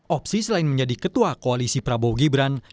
opsi selain menjadi ketua koalisi prabowo gibran